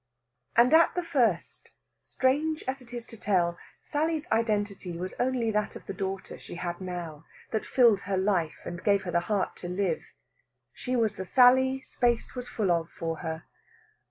And at the first strange as it is to tell Sally's identity was only that of the daughter she had now, that filled her life, and gave her the heart to live. She was the Sally space was full of for her.